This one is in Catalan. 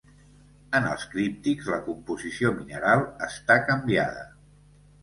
En els críptics la composició mineral està canviada.